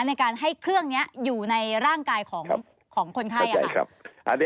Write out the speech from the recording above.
ในการให้เครื่องนี้อยู่ในร่างกายของคนไข้ค่ะ